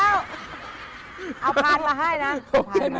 เอาพานมาให้นะ